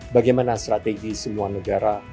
bagaimana strategi semua negara